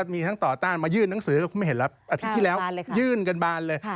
มีทั้งต่อต้านมายื่นหนังสือไม่เห็นแล้วอาทิตย์ที่แล้วยื่นกันบานเลย